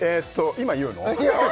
今言うの？